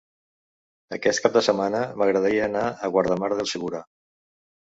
Aquest cap de setmana m'agradaria anar a Guardamar del Segura.